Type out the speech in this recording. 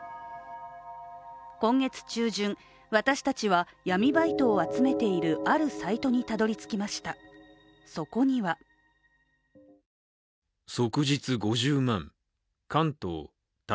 今月中旬、私たちは闇バイトを集めているあるサイトにたどりつきました。